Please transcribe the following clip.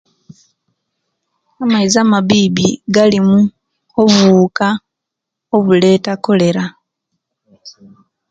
Amaizi amabibi galimu obuuka obulata kolera